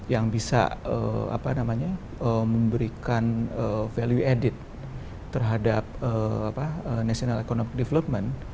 yang bisa memberikan value added terhadap national economic development